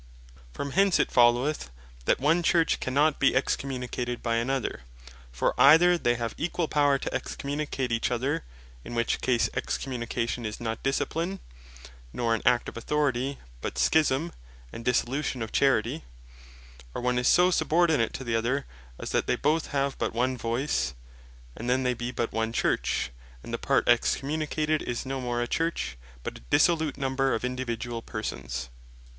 From hence it followeth, that one Church cannot be Excommunicated by another: For either they have equall power to Excommunicate each other, in which case Excommunication is not Discipline, nor an act of Authority, but Schisme, and Dissolution of charity; or one is so subordinate to the other, as that they both have but one voice, and then they be but one Church; and the part Excommunicated, is no more a Church, but a dissolute number of individuall persons.